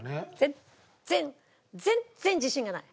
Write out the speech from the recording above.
全然全然自信がない。